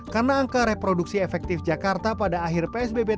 karena angka reproduksi efektif jakarta pada akhir psbb